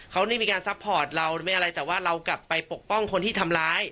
เขาไม่มีการซัพพอร์ตเราไม่อะไรแต่ว่าเรากลับไปปกป้องคนที่ทำร้าย